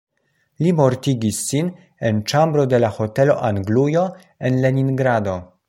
Li mortigis sin en ĉambro de la Hotelo Anglujo en Leningrado.